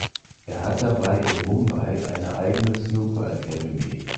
Er hat dabei in Mumbai eine eigene "Snooker Academy".